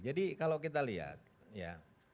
jadi kalau kita lihat ya